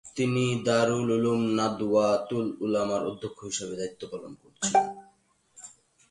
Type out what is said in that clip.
তিনি দারুল উলুম নাদওয়াতুল উলামার অধ্যক্ষ হিসেবে দায়িত্ব পালন করছেন।